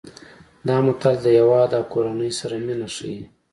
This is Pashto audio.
دا متل د هیواد او کورنۍ سره مینه ښيي